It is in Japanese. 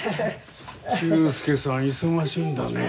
久助さん忙しいんだね。